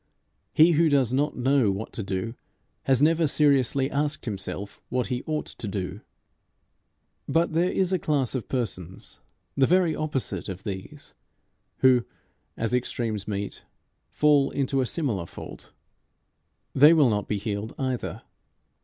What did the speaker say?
He who does not know what to do has never seriously asked himself what he ought to do. But there is a class of persons, the very opposite of these, who, as extremes meet, fall into a similar fault. They will not be healed either.